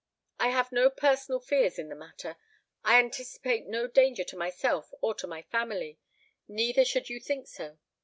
I have no personal fears in the matter; I anticipate no danger to myself or to my family; neither should you think so.